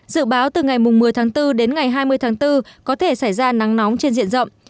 dự báo từ ngày một mươi tháng bốn đến ngày hai mươi tháng bốn có thể xảy ra nắng nóng trên diện rộng